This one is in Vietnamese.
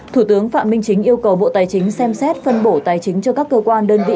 thủ tướng phạm minh chính yêu cầu bộ tài chính xem xét phân bổ tài chính cho các cơ quan đơn vị